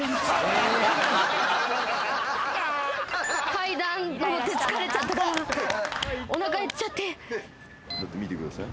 階段上って疲れちゃったからおなか減っちゃって。